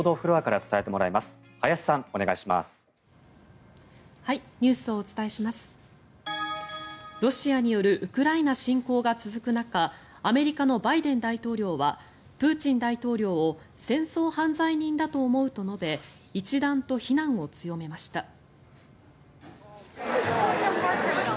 ロシアによるウクライナ侵攻が続く中アメリカのバイデン大統領はプーチン大統領を戦争犯罪人だと思うと述べ一段と非難を強めました。